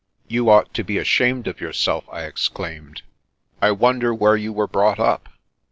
" You ought to be ashamed of yourself," I exclaimed. " I wonder where you were brought up